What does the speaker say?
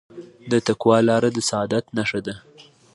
د تقوی لاره د سعادت نښه ده.